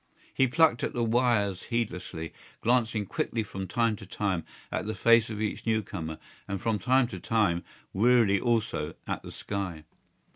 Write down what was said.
He plucked at the wires heedlessly, glancing quickly from time to time at the face of each new comer and from time to time, wearily also, at the sky.